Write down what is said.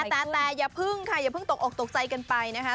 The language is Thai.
แต่อย่าพึ่งค่ะอย่าเพิ่งตกออกตกใจกันไปนะคะ